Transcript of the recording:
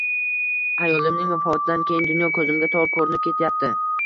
Ayolimning vafotidan keyin dunyo ko`zimga tor ko`rinib ketyapti